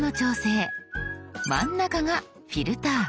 真ん中が「フィルター」。